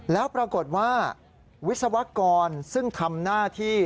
แล้วปรากฏว่าวิศวกรซึ่งทำหน้าที่